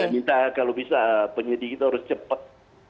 kita kalau bisa penyidik kita harus cepat